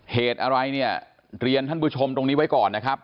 เหตุอะไรเนี่ยเรียนท่านผู้ชมตรงนี้ไว้ก่อนนะครับ